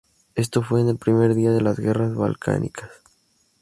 Esto fue en el primer día de las guerras balcánicas.